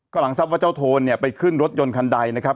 หลังทรัพย์ว่าเจ้าโทนเนี่ยไปขึ้นรถยนต์คันใดนะครับ